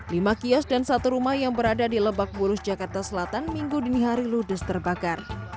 lima kios dan satu rumah yang berada di lebak bulus jakarta selatan minggu dini hari ludes terbakar